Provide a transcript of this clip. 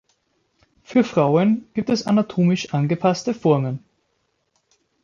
Für Frauen gibt es anatomisch angepasste Formen.